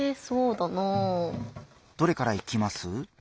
どれからいきます？